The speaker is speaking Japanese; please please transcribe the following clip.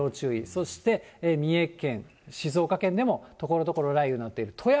そして三重県、静岡県でもところどころ雷雨になっている。